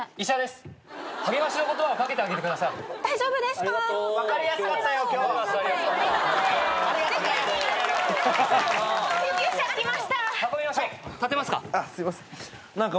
すいません。